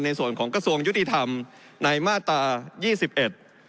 ในส่วนของกระทรวงยุติธรรมในมาตรายี่สิบเอ็ด